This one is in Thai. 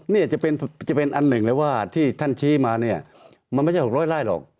นี่จะเป็นอันหนึ่งเลยว่าที่ท่านชี้มาเนี่ยมันไม่ใช่๖๐๐ไร่หรอก